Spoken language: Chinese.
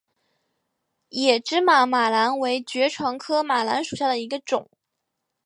野芝麻马蓝为爵床科马蓝属下的一个种。